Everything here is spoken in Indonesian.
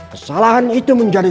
kesalahan itu menjadi